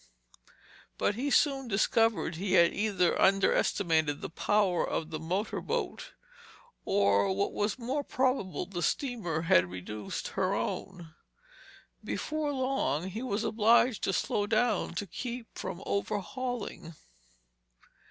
But he soon discovered he had either underestimated the power of the motor boat or, what was more probable, the steamer had reduced her own. Before long he was obliged to slow down to keep from overhauling.